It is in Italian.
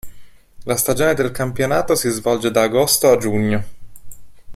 La stagione del campionato si svolge da agosto a giugno.